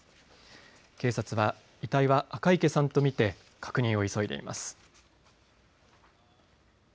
警察は遺体は赤池さんと見て確認を急いでいます。